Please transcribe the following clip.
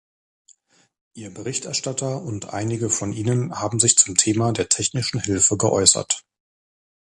Ihr Berichterstatter und einige von Ihnen haben sich zum Thema der technischen Hilfe geäußert.